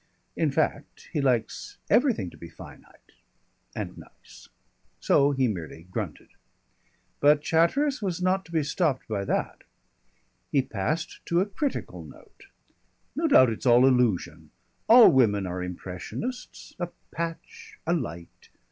In fact, he likes everything to be finite and nice. So he merely grunted. But Chatteris was not to be stopped by that. He passed to a critical note. "No doubt it's all illusion. All women are impressionists, a patch, a light.